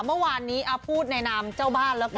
เมื่อวานนี้พูดในนามเจ้าบ้านแล้วกัน